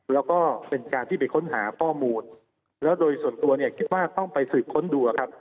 แล้วก็เป็นการที่ไปค้นหาข้อมูลแล้วโดยส่วนตัวเนี่ยคิดว่าต้องไปสืบค้นดูครับ